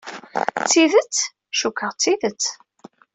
D tidet? Cukkeɣ, d tidet.